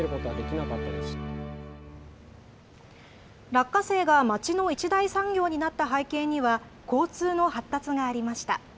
落花生が町の一大産業になった背景には、交通の発達がありました。